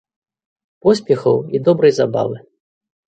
Поспехаў і добрай забавы!